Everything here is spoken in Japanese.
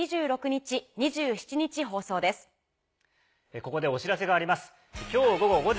ここでお知らせがあります。